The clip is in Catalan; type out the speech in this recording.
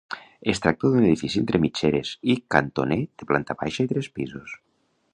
Es tracta d'un edifici entre mitgeres i cantoner de planta baixa i tres pisos.